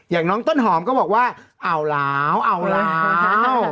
อย่างน้องต้นหอมก็บอกว่าเอาแล้วเอาแล้ว